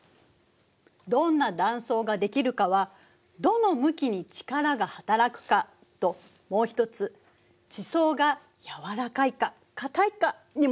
どんな断層ができるかはどの向きに力がはたらくかともう一つ地層が柔らかいか硬いかにもよるの。